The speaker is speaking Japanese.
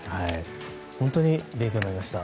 本当に勉強になりました。